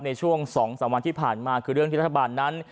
ในช่วง๒๓วันที่ผ่านมาคือเรื่องที่รัฐบาลนั้น